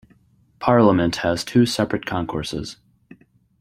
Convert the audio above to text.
Parliament has two separate concourses.